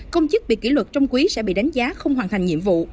công chức bị kỷ luật trong quý sẽ bị đánh giá không hoàn thành nhiệm vụ